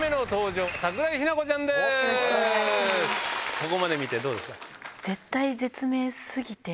ここまで見てどうですか？